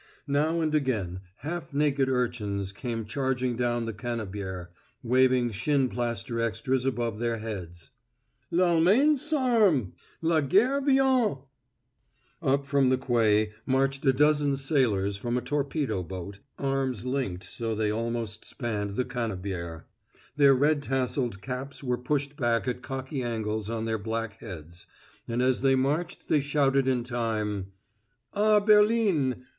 Now and again half naked urchins came charging down the Cannebière, waving shinplaster extras above their heads "L'Allemagne s'arme! La guerre vient!" Up from the Quai marched a dozen sailors from a torpedo boat, arms linked so that they almost spanned the Cannebière. Their red tasseled caps were pushed back at cocky angles on their black heads, and as they marched they shouted in time: "_A Berlin!